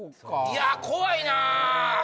いや怖いな！